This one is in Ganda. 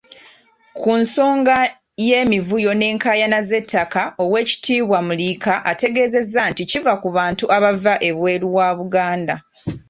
Ku nsonga y'emivuyo n'enkaayana z'ettaka, Oweekitiibwa Muliika ategeezezza nti kiva ku bantu abava ebweru wa Buganda.